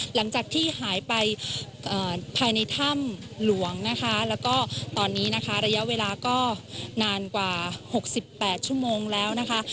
หลังจากที่หายไปภายในถ้ำหลวงนะคะแล้วก็ตอนนี้นะคะระยะเวลาก็นานกว่า๖๘ชั่วโมงแล้วนะคะ